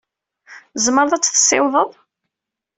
Tzemreḍ ad tt-tessiwḍeḍ?